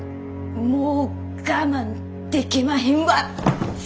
もう我慢でけまへんわ！